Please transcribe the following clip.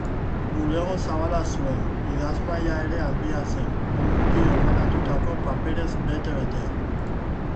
Bulego zabala zuen, idazmahaia ere handia zen, ongi ordenatutako paperez bete-betea.